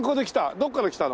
どっから来たの？